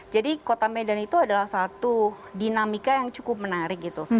jadi kota medan itu adalah satu dinamika yang cukup menarik gitu